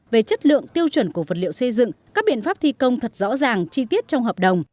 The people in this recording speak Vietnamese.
về chất lượng tiêu chuẩn của vật liệu xây dựng các biện pháp thi công thật rõ ràng chi tiết trong hợp đồng